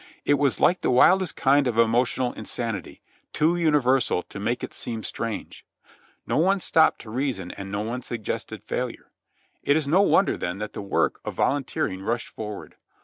It was like the wildest kind of emotional insanity, too universal to make it seem strange. No one stopped to reason and no one suggested failure. It is no wonder then that the work of volunteering rushed for ward.